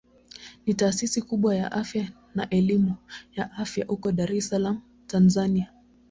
Ni taasisi kubwa ya afya na elimu ya afya huko Dar es Salaam Tanzania.